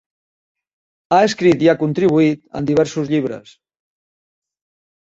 Ha escrit i ha contribuït en diversos llibres.